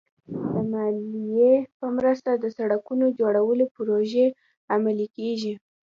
د مالیې په مرسته د سړکونو جوړولو پروژې عملي کېږي.